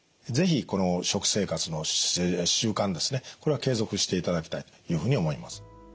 是非この食生活の習慣ですねこれは継続していただきたいというふうに思います。